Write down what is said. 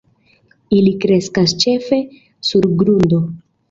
Ili kreskas ĉefe sur grundo.